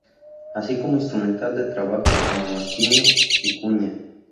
Así como instrumental de trabajo como martillo y cuña.